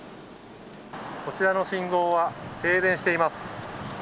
こちらの信号は停電しています。